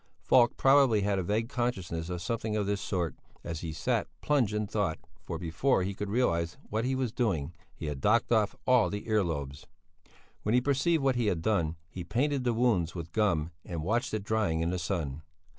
Falk probably had a vague consciousness of something of this sort, as he sat, plunged in thought, for before he could realize what he was doing, he had docked off all the ear lobes. When he perceived what he had done, he painted the wounds with gum and watched it drying in the sun.